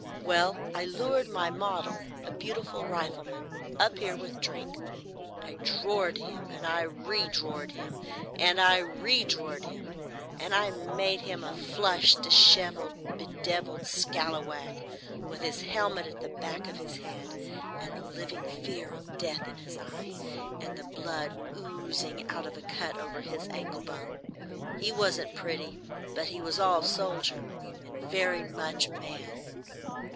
Well, I lured my model, a beautiful rifleman, up here with drink; I drored him, and I redrored him, and I redrored him, and I made him a flushed, dishevelled, bedevilled scallawag, with his helmet at the back of his head, and the living fear of death in his eye, and the blood oozing out of a cut over his ankle bone. He wasn't pretty, but he was all soldier and very much man."